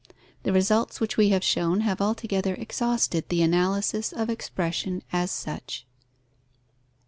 The results which we have shown have altogether exhausted the analysis of expression as such.